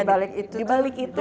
tapi dibalik itu